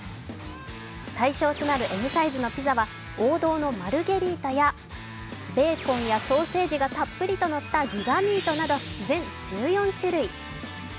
対象となるＭサイズのピザは王道のマルゲリータやベーコンやソーセージがたっぷりのったギガミートなど全１４種類。